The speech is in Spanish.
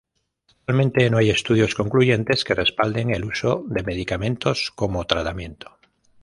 Actualmente no hay estudios concluyentes que respalden el uso de medicamentos como tratamiento.